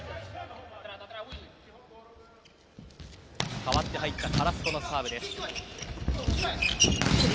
代わって入ったカラスコのサーブです。